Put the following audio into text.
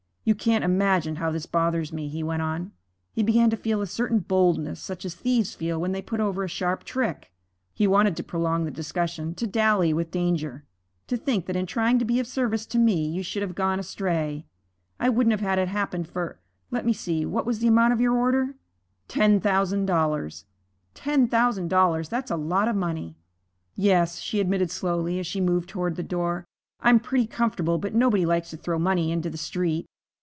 'You can't imagine how this bothers me,' he went on. He began to feel a certain boldness, such as thieves feel when they put over a sharp trick. He wanted to prolong the discussion, to dally with danger. 'To think that in trying to be of service to me you should have gone astray. I wouldn't have had it happen for Let me see, what was the amount of your order?' 'Ten thousand dollars.' 'Ten thousand dollars! That's a lot of money.' 'Yes,' she admitted slowly, as she moved toward the door. 'I'm pretty comfortable, but nobody likes to throw money into the street.'